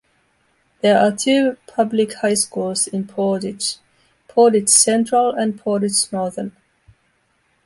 There are two public high schools in Portage, Portage Central and Portage Northern.